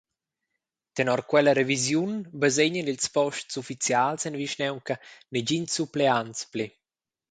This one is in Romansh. Tenor quella revisiun basegnan ils posts ufficials en vischnaunca negins suppleants pli.